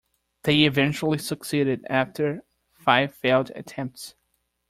They eventually succeeded after five failed attempts